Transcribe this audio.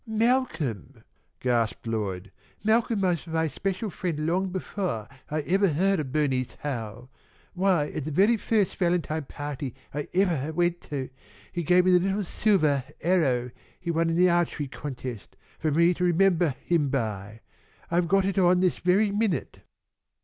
"Malcolm!" gasped Lloyd. "Malcolm was my especial friend long befoah I evah heard of Bernice Howe! Why, at the very first Valentine pahty I evah went to, he gave me the little silvah arrow he won in the archery contest, for me to remembah him by. I've got it on this very minute."